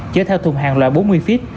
chở theo thùng hàng loại bốn mươi feet